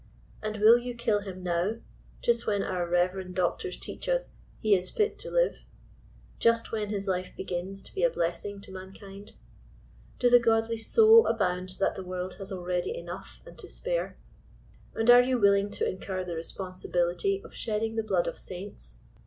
And will you kill him now, just when our reyerend doctors teach us he is fit to live?*'— just when his life begins to be a blessing to mankind ? Do the godly so abound that the world has already enough and to spare ? And are you willing to incur the responsibility of shedding the blood of saints